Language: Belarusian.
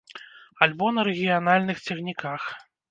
Альбо на рэгіянальных цягніках.